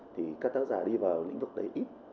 thì các tác giả đi vào lĩnh vực đấy ít